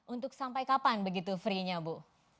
untuk sampai kapan begitu free nya bu